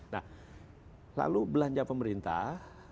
nah lalu belanja pemerintah